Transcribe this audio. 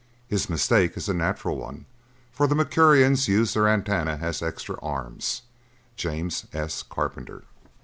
His mistake is a natural one, for the Mercurians used their antenna as extra arms. James S. Carpenter.